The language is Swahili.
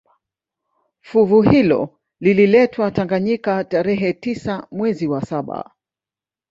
Fuvu hilo lililetwa Tanganyika tarehe tisa mwezi wa saba